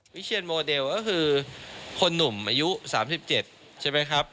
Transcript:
วิเชียนโมเดลก็คือคนหนุ่มอายุ๓๗ใช่ไหมครับ